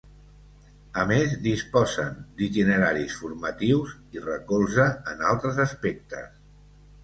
A més, disposen d’itineraris formatius i recolze en altres aspectes.